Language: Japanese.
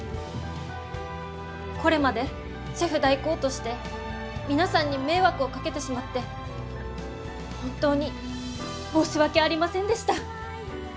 これまでシェフ代行として皆さんに迷惑をかけてしまって本当に申し訳ありませんでした。